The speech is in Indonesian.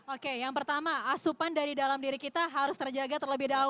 oke yang pertama asupan dari dalam diri kita harus terjaga terlebih dahulu